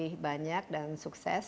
terima kasih banyak dan sukses